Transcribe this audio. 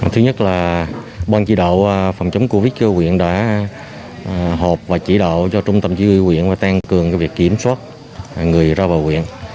thứ nhất là bọn chỉ đạo phòng chống covid cho huyện đã hộp và chỉ đạo cho trung tâm chứa huyện và tăng cường việc kiểm soát người ra vào huyện